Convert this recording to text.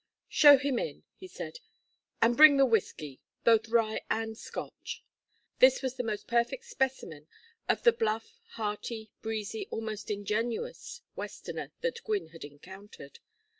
"Show him in," he said. "And bring the whiskey both Rye and Scotch." This was the most perfect specimen of the bluff, hearty, breezy, almost ingenuous Westerner that Gwynne had encountered.